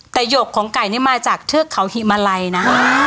แต่หยกของไก่นี่มาจากเทือกเขาหิมาลัยนะ